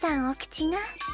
お口が。